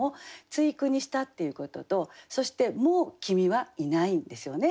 対句にしたっていうこととそしてもう「君」はいないんですよね。